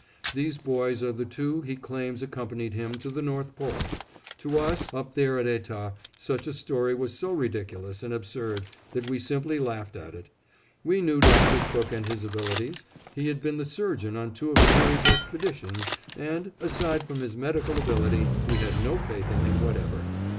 These boys are the two he claims accompanied him to the North Pole. To us, up there at Etah, such a story was so ridiculous and absurd that we simply laughed at it. We knew Dr. Cook and his abilities; he had been the surgeon on two of Peary's expeditions and, aside from his medical ability, we had no faith in him whatever.